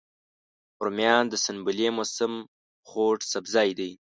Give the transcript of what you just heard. رومیان د سنبلې موسم خوږ سبزی دی